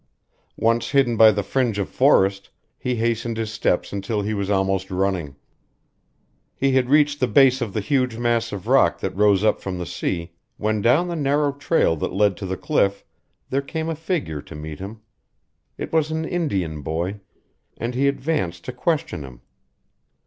Once hidden by the fringe of forest, he hastened his steps until he was almost running. He had reached the base of the huge mass of rock that rose up from the sea, when down the narrow trail that led to the cliff there came a figure to meet him. It was an Indian boy, and he advanced to question him.